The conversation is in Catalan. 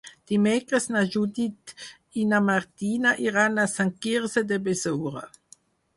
Dimecres na Judit i na Martina iran a Sant Quirze de Besora.